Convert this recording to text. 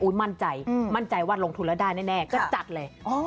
มั่นใจมั่นใจว่าลงทุนแล้วได้แน่ก็จัดเลย